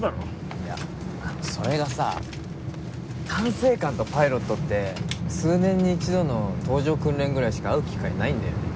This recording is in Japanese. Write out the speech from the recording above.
いやそれがさ管制官とパイロットって数年に一度の搭乗訓練ぐらいしか会う機会ないんだよね。